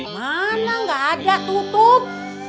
mana nggak ada tutup